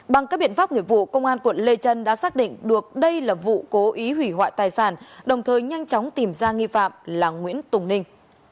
bằng các biện pháp nghiệp vụ công an quận lê trân đã xác định được đây là vụ cố ý hủy hoại tài sản đồng thời nhanh chóng tìm ra nghi phạm là nguyễn tùng ninh